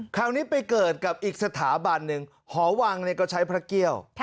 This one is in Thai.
คราวนี้ไปเกิดกับอีกสถาบันหนึ่งหอวังก็ใช้พระเกี่ยว